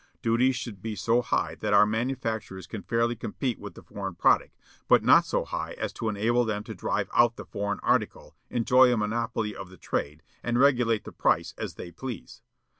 Duties should be so high that our manufacturers can fairly compete with the foreign product, but not so high as to enable them to drive out the foreign article, enjoy a monopoly of the trade, and regulate the price as they please.